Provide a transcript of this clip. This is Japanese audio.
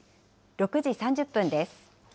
６時３０分です。